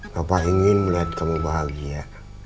bapak ingin melihat kamu bahagia